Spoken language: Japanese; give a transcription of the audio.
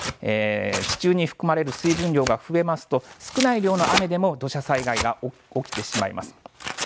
地中に含まれる水分量が増えますと、少ない量の雨でも土砂災害が起きてしまいます。